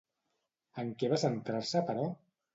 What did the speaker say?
En què va centrar-se, però?